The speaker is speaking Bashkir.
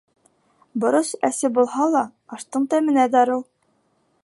Борос әсе булһа ла аштың тәменә дарыу.